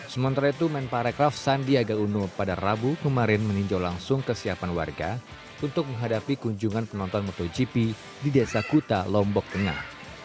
sementara itu men parekraf sandiaga uno pada rabu kemarin meninjau langsung kesiapan warga untuk menghadapi kunjungan penonton motogp di desa kuta lombok tengah